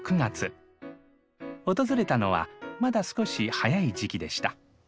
訪れたのはまだ少し早い時期でした。